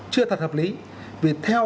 chưa thật hợp lý vì theo